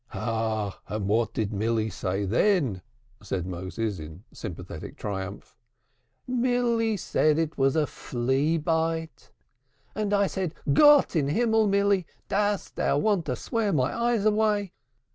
"And what did Milly say then?" said Moses in sympathetic triumph. "Milly said it was a flea bite! and I said, 'Gott in Himmel, Milly, dost thou want to swear my eyes away?